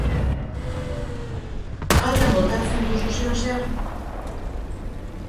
Faltan botatzen duzu zer edo zer?